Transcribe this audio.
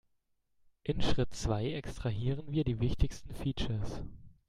In Schritt zwei extrahieren wir die wichtigsten Features.